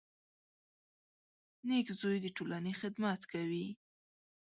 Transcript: • نېک زوی د ټولنې خدمت کوي.